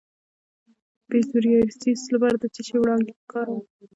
د پسوریازیس لپاره د څه شي وړانګې وکاروم؟